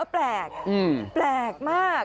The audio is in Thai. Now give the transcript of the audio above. แปลกแปลกมาก